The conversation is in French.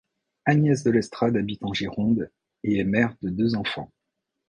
Agnès de Lestrade habite en Gironde et est mère de deux enfants.